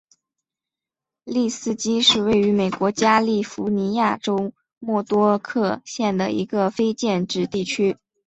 利斯基是位于美国加利福尼亚州莫多克县的一个非建制地区。